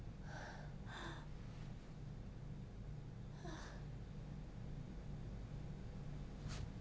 あっ。